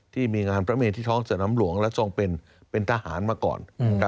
ที่มีงานพระเมที่ท้องสนามหลวงและทรงเป็นทหารมาก่อน